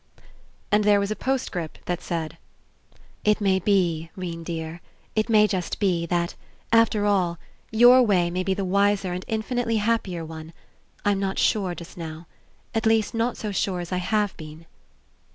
And there was a postcript which said: It may be, 'Rene dear, it may just be, that, after all, your way may be the wiser and infinitely hap pier one. I'm not sure just now. At least not so sure as I have been.